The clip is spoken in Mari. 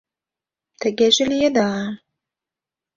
Тыгеже лиеда...